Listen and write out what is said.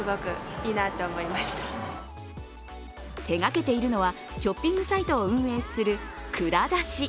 手がけているのはショッピングサイトを運営するＫＵＲＡＤＡＳＨＩ。